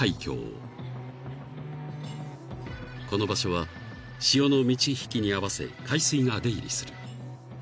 ［この場所は潮の満ち引きに合わせ海水が出入りする］